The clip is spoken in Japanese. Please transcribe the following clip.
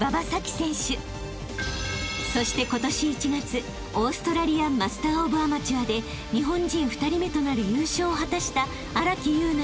［そして今年１月オーストラリアンマスターオブアマチュアで日本人２人目となる優勝を果たした］